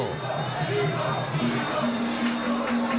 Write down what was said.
ดีโต้ดีโต้ดีโต้